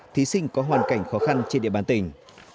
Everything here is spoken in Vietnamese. thí sinh có hoàn cảnh khó khăn trên địa bàn tỉnh